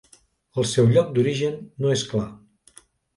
El seu lloc d'origen no és clar.